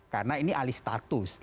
karena ini alih status